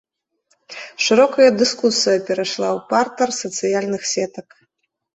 Шырокая дыскусія перайшла ў партэр сацыяльных сетак.